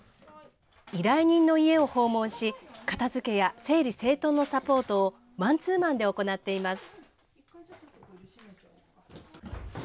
依頼人の家を訪問し、片づけや整理整頓のサポートを、マンツーマンで行っています。